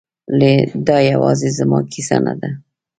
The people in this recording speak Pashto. دا یوازې زما کیسه نه ده